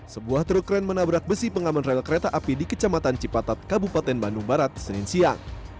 sebuah truk kren menabrak besi pengaman rel kereta api di kecamatan cipatat kabupaten bandung barat senin siang